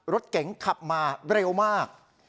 รถเก๋งขับมาเร็วมาก